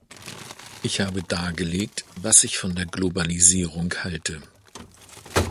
Ich habe dargelegt, was ich von der Globalisierung halte.